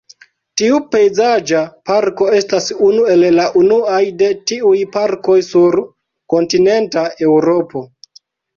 Tiu pejzaĝa parko estas unu el la unuaj de tiuj parkoj sur kontinenta Eŭropo.